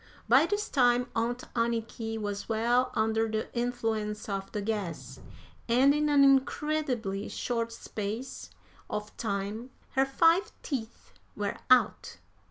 By this time Aunt Anniky was well under the influence of the gas, and in an incredibly short space of time her five teeth were out.